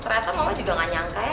ternyata semua juga gak nyangka ya